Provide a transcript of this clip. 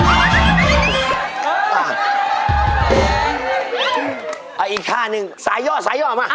เอาอีกท่านึงสายย่อมา